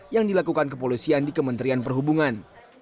yang dilakukan kepolisian di kementerian perhubungan